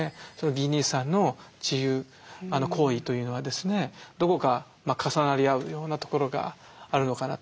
ギー兄さんの治癒行為というのはどこか重なり合うようなところがあるのかなと。